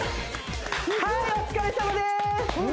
はいお疲れさまです